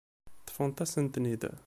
Ṭṭfent-asen-ten-id.